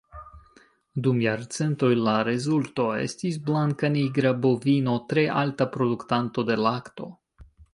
Dum jarcentoj, la rezulto estis blankanigra bovino tre alta produktanto de lakto.